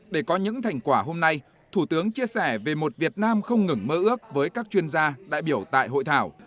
để có những thành quả hôm nay thủ tướng chia sẻ về một việt nam không ngừng mơ ước với các chuyên gia đại biểu tại hội thảo